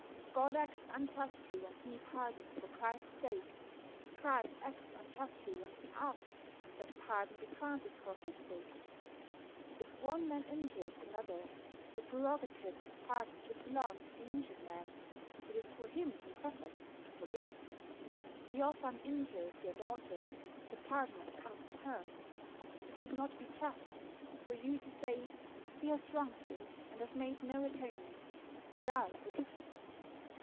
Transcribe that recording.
God acts unjustly when He pardons for Christ's sake. Christ acts unjustly when He asks that pardon be granted for his sake. If one man injures another, the prerogative of pardon should belong to the injured man. It is for him who suffers to forgive. If your son injure your daughter, the pardon must come from her. It would not be just for you to say: "He has wronged you, and has made no atonement, but I forgive him."